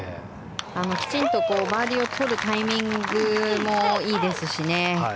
きちんとバーディーを取るタイミングもいいですしね。